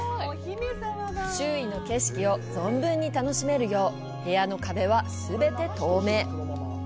周囲の景色を存分に楽しめるよう、部屋の壁は全て透明。